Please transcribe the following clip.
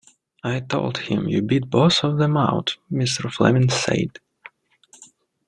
"I told him, you beat both of them out," Mr. Fleming said.